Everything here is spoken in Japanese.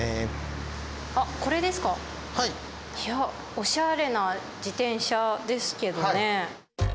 おしゃれな自転車ですけどね。